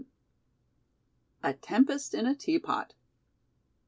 A TEMPEST IN A TEAPOT.